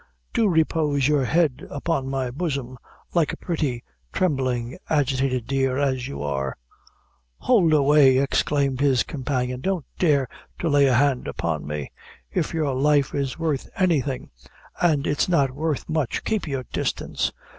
Do repose your head upon my bosom, like a pretty, trembling, agitated dear, as you are." "Hould away!" exclaimed his companion; "don't dare to lay a hand upon me. If your life is worth anything an' it's not worth much keep your distance.